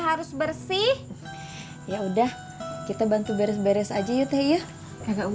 harus bersih ya udah kita bantu beres beres aja yuk teh ya ya enggak usah mama tati berdua aja cukup